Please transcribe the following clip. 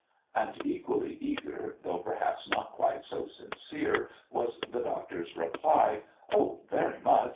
And equally eager, though perhaps not quite so sincere, was the Doctor's reply: "Oh very much!